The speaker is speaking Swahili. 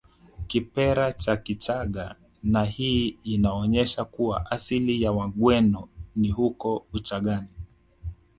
Kipare na Kichaga na hii inaonesha kuwa asili ya Wagweno ni huko Uchagani